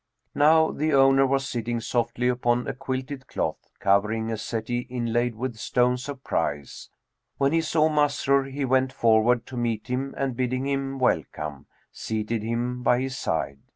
Now the owner was sitting softly upon a quilted cloth covering a settee inlaid with stones of price; and, when he saw Masrur, he went forward to meet him and bidding him welcome, seated him by his side.